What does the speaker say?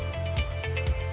jadi kita bisa mencari uang